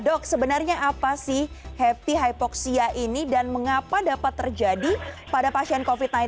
dok sebenarnya apa sih happy hypoxia ini dan mengapa dapat terjadi pada pasien covid sembilan belas